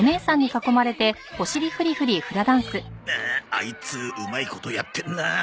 アイツうまいことやってんな。